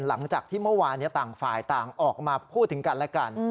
หลังจากที่เมื่อวานต่างฝ่ายต่างออกมาพูดถึงกันและกัน